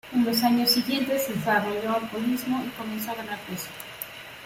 En los años siguientes desarrolló alcoholismo y comenzó a ganar peso.